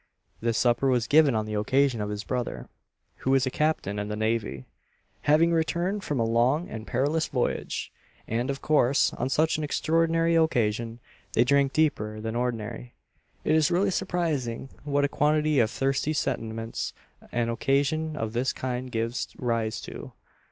This supper was given on the occasion of his brother, who is a captain in the navy, having returned from a long and perilous voyage; and, of course, on such an extraordinary occasion, they drank deeper than ordinary. It is really surprising what a quantity of thirsty sentiments an occasion of this kind gives rise to.